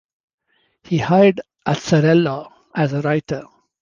He hired Azzarello as a writer.